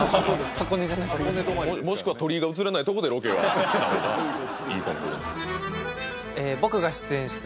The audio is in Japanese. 箱根じゃなくもしくは鳥居が映らないとこでロケはした方がいいかもしれない僕が出演する舞台